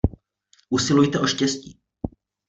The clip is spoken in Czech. Usilujte o štěstí.